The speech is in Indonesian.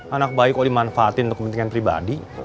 anak bayi kok dimanfaatin untuk kepentingan pribadi